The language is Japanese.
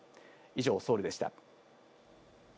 以上、ソウルでした。